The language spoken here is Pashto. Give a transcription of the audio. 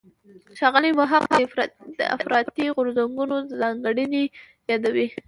ښاغلی محق د افراطي غورځنګونو ځانګړنې یادوي.